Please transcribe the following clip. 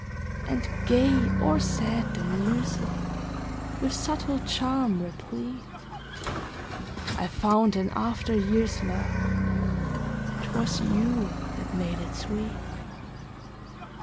And gay or sad the music, With subtle charm replete; I found in after years, love 'Twas you that made it sweet.